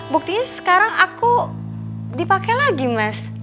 buktinya sekarang aku dipakai lagi mas